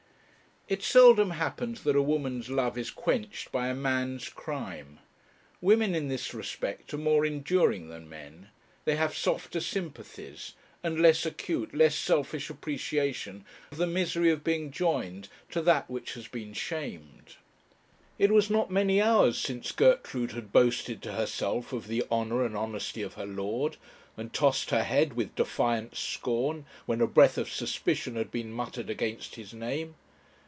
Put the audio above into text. It seldom happens that a woman's love is quenched by a man's crime. Women in this respect are more enduring than men; they have softer sympathies, and less acute, less selfish, appreciation of the misery of being joined to that which has been shamed. It was not many hours since Gertrude had boasted to herself of the honour and honesty of her lord, and tossed her head with defiant scorn when a breath of suspicion had been muttered against his name.